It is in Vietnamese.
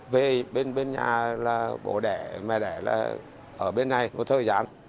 về bên nhà là bố đẻ mẹ đẻ là ở bên này một thời gian